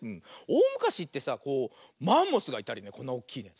おおむかしってさこうマンモスがいたりこんなおっきいね。